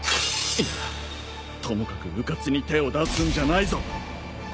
いやともかくうかつに手を出すんじゃないぞ。